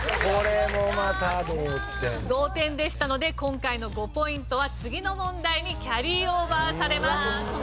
同点でしたので今回の５ポイントは次の問題にキャリーオーバーされます。